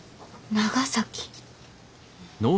長崎。